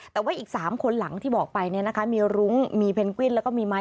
แต่ว่าอีก๓คนหลังที่บอกไปเนี่ยนะคะมีรุ้งมีเพนกวินแล้วก็มีไม้